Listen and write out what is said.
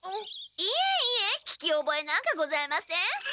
いえいえ聞きおぼえなんかございません。